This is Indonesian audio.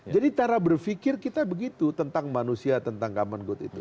jadi cara berfikir kita begitu tentang manusia tentang common good itu